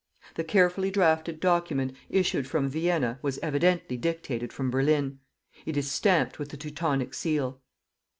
The carefully drafted document, issued from Vienna, was evidently dictated from Berlin. It is stamped with the Teutonic seal.